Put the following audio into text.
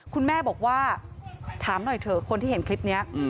คุณแม่บอกว่าถามหน่อยเถอะคนที่เห็นคลิปนี้